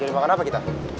jadi makan apa kita